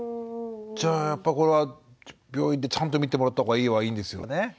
じゃあやっぱりこれは病院でちゃんと診てもらった方がいいはいいんですよね。